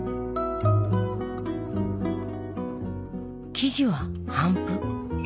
生地は「帆布」。